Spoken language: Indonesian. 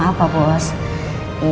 pak bos pak bos udah pulang